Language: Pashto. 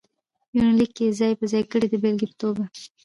يونليک کې ځاى په ځاى کړي د بېلګې په توګه: